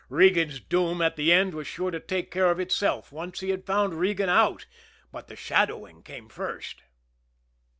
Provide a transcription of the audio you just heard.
Regan's doom at the end was sure to take care of itself once he had found Regan out but the shadowing came first.